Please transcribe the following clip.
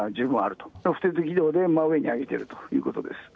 ロフテッド軌道で真上に上げているということです。